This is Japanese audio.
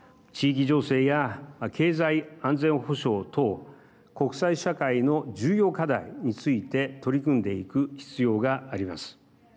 地域情勢や経済安全保障等国際社会の重要課題について取り組んでいく必要があります。